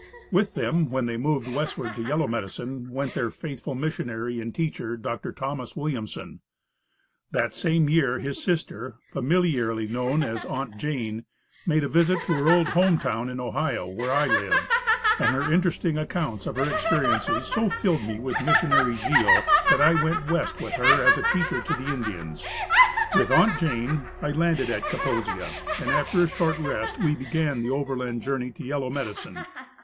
With them, when they moved westward to Yellow Medicine, went their faithful missionary and teacher, Doctor Thomas Williamson. That same year his sister, familiarly know as "Aunt Jane," made a visit to her old home town in Ohio, where I lived, and her interesting accounts of her experiences so filled me with missionary zeal that I went west, with her, as a teacher to the Indians. With "Aunt Jane," I landed at Kaposia, and after a short rest, we began the overland journey to Yellow Medicine.